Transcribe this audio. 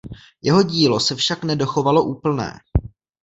Jeho dílo se však nedochovalo úplné.